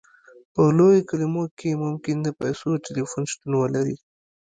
په لویو کلیو کې ممکن د پیسو ټیلیفون شتون ولري